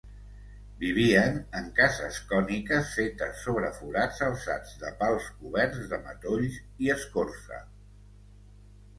Vivien en cases còniques fetes sobre forats alçats de pals coberts de matolls i escorça.